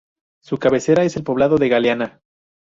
Su cabecera es el poblado de Galeana.